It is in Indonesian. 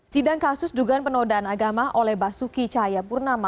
sidang kasus dugaan penodaan agama oleh basuki cahaya purnama